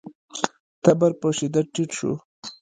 تبر په شدت ټيټ شو.